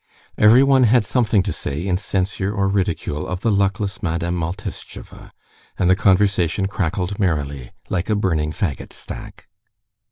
Everyone had something to say in censure or ridicule of the luckless Madame Maltishtcheva, and the conversation crackled merrily, like a burning faggot stack.